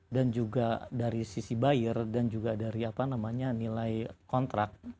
dan juga dari sisi buyer dan juga dari nilai kontrak